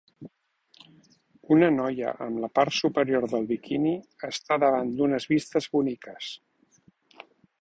Una noia amb la part superior del biquini està davant d'unes vistes boniques